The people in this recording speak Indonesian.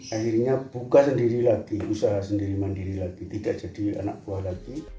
akhirnya buka sendiri lagi usaha sendiri mandiri lagi tidak jadi anak buah lagi